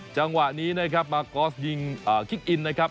จังหวะนี้นะครับมากอสยิงคิกอินนะครับ